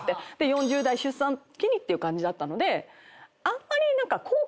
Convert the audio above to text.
４０代出産を機にっていう感じだったのであんまり。